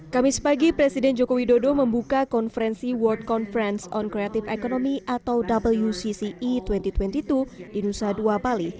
kamis pagi presiden joko widodo membuka konferensi world conference on creative economy atau wcce dua ribu dua puluh dua di nusa dua bali